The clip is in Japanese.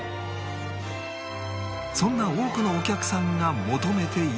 そんな多くのお客さんが求めているのが